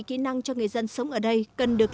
kỹ năng cho người dân sống ở đây cần được